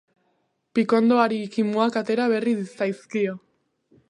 Pikondoari kimuak atera berri zaizkio.